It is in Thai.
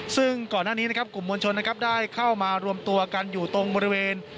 ซึ่งก่อนหน้านี้นะครับกลุ่มมวลชนนะครับได้เข้ามารวมตัวกันอยู่ตรงบริเวณ